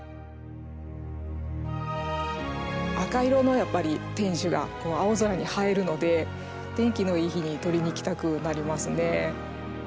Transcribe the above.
赤色の天守が青空に映えるのでお天気のいい日に撮りに来たくなりますね。